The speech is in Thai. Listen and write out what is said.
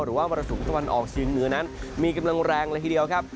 หรือว่ามารสุมตะวันออกซึ้งเหนือนั้นมีกำลังแรงละทีเดียวครับ